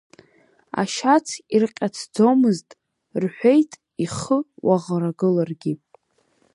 Ашьац ирҟьацӡомызт, — рҳәеит, ихы уаӷрагыларгьы…